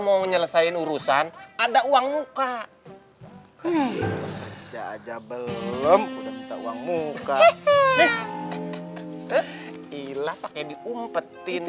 mau nyelesaikan urusan ada uang muka aja aja belum minta uang muka ilah pakai diumpetin